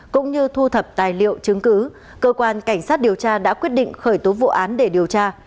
cũng như thu thập tài liệu chứng cứ cơ quan cảnh sát điều tra đã quyết định khởi tố vụ án để điều tra